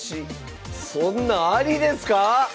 そんなんアリですか